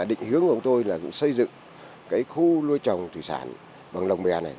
định hướng của chúng tôi là xây dựng khu nuôi trồng thủy sản bằng lồng bè này